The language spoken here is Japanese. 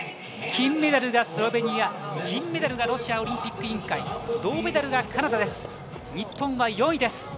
金メダルがスロベニア銀メダルがロシアオリンピック委員会銅メダルがカナダです。